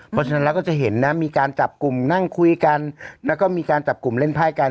เพราะฉะนั้นเราก็จะเห็นนะมีการจับกลุ่มนั่งคุยกันแล้วก็มีการจับกลุ่มเล่นไพ่กัน